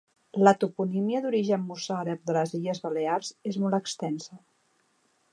La toponímia d'origen mossàrab de les Illes Balears és molt extensa.